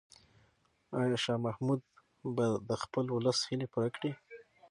آیا شاه محمود به د خپل ولس هیلې پوره کړي؟